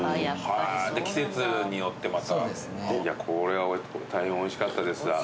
これは大変おいしかったです。